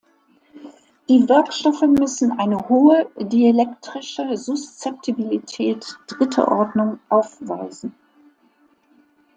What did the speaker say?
Die Werkstoffe müssen eine hohe dielektrische Suszeptibilität dritter Ordnung aufweisen.